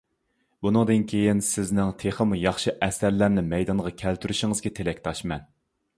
بۇنىڭدىن كېيىن سىزنىڭ تېخىمۇ ياخشى ئەسەرلەرنى مەيدانغا كەلتۈرۈشىڭىزگە تىلەكداشمەن.